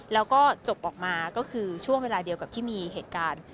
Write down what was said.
แล้วก็จบออกมาก็คือช่วงเวลาเดียวกับที่มีเหตุการณ์